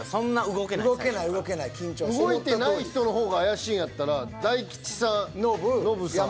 動いてない人の方が怪しいんやったら大吉さんノブさん。